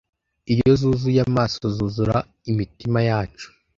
iyo zuzuye amaso zuzura imitima yacu